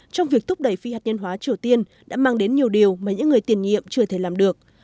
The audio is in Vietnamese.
trong việc thúc đẩy phi hạt nhân hóa triều tiên đã mang đến nhiều điều mà những người tiền nhiệm chưa thể làm được